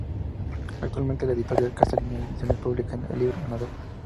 Actualmente, la editorial Castalia Ediciones publica el libro ganador.